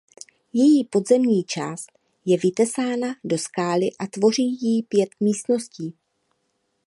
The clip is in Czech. Její podzemní část je vytesána do skály a tvoří ji pět místností.